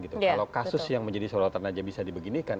kalau kasus yang menjadi sorotan aja bisa dibeginikan